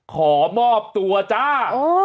ขอมอบตัวจ้า